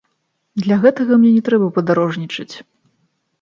Для гэтага мне не трэба падарожнічаць.